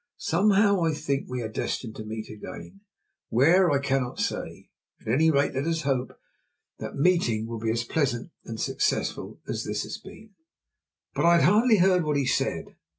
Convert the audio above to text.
Somehow I think we are destined to meet again where I cannot say. At any rate, let us hope that that meeting will be as pleasant and successful as this has been." But I hardly heard what he said.